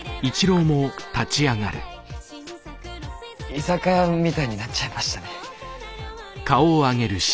居酒屋みたいになっちゃいましたね。